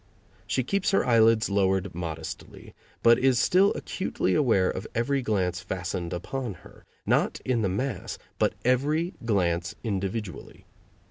She keeps her eyelids lowered modestly, but is still acutely aware of every glance fastened upon her not in the mass, but every glance individually.